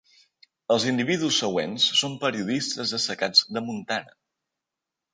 Els individus següents són periodistes destacats de Montana.